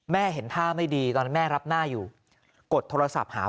เห็นท่าไม่ดีตอนนั้นแม่รับหน้าอยู่กดโทรศัพท์หา